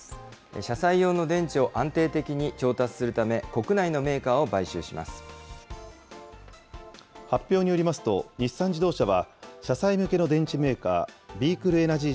車載用の電池を安定的に調達するため、国内のメーカーを買収発表によりますと、日産自動車は、車載向けの電池メーカー、ビークルエナジー